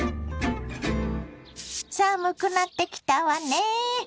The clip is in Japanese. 寒くなってきたわね。